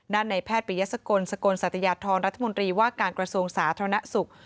ในแพทย์ปริยสกลสกลสัตยาธรรัฐมนตรีว่าการกระทรวงสาธารณสุข